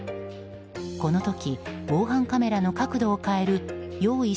この時防犯カメラの角度を変える用意